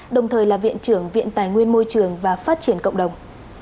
đồng thời là viện trưởng viện tài nguyên môi trường và phát triển cộng đồng